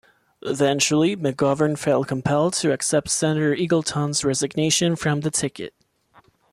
Eventually, McGovern felt compelled to accept Senator Eagleton's resignation from the ticket.